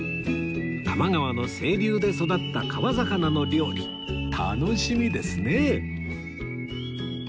多摩川の清流で育った川魚の料理楽しみですね